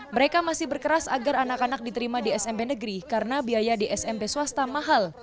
mereka masih berkeras agar anak anak diterima di smp negeri karena biaya di smp swasta mahal